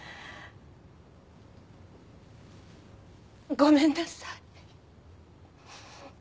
ごめんなさい。